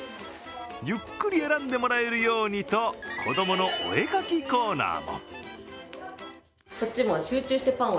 ゆっくり選んでもらえるようにと、子供のお絵かきコーナーも。